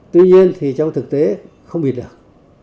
tuy nhiên thì trong thực tế không bịt được